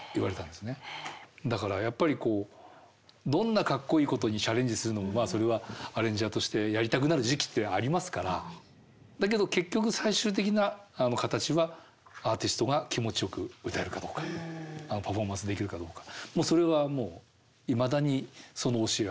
だからやっぱりどんなかっこいいことにチャレンジするのもまあそれはアレンジャーとしてやりたくなる時期ってありますからだけど結局最終的な形はアーティストが気持ちよく歌えるかどうかパフォーマンスできるかどうかもうそれはいまだにその教えは守ってますね。